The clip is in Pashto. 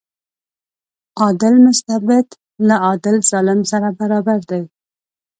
عادل مستبد له عادل ظالم سره برابر دی.